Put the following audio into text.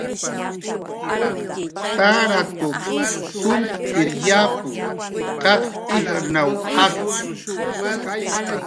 Tarakuq sumkir yapu, qaq ijrnaw jakki.